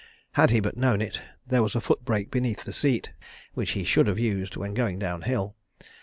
Had he but known it, there was a foot brake beneath the seat, which he should have used when going down hill.